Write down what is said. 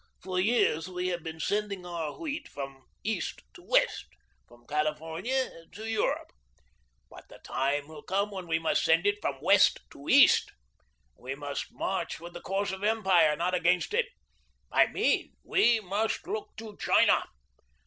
For years we have been sending our wheat from East to West, from California to Europe. But the time will come when we must send it from West to East. We must march with the course of empire, not against it. I mean, we must look to China.